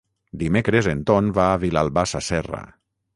Dimecres en Ton va a Vilalba Sasserra.